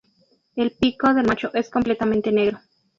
El pico del macho es completamente negro.